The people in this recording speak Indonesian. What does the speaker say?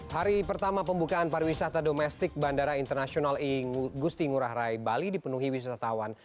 hari pertama pembukaan pariwisata domestik bandara internasional igusti ngurah rai bali dipenuhi wisatawan